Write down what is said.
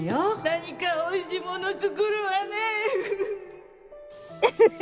何かおいしいもの作るわね。